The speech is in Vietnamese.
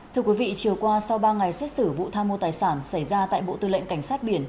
thưa quý vị chiều qua sau ba ngày xét xử vụ tha mô tài sản xảy ra tại bộ tư lệnh cảnh sát biển